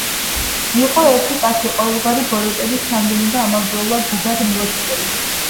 იყო ერთი კაცი, ყოველგვარი ბოროტების ჩამდენი და ამავდროულად დიდად მლოცველი.